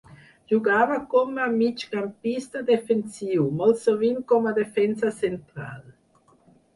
Jugava com a migcampista defensiu, molt sovint com a defensa central.